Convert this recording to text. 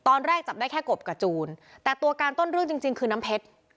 ตอนแรกจับได้แค่กบกับจูนแต่ตัวการต้นเรื่องจริงคือน้ำเพชร